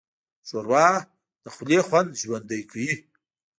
ښوروا د خولې خوند ژوندی کوي.